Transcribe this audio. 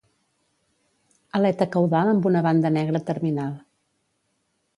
Aleta caudal amb una banda negra terminal.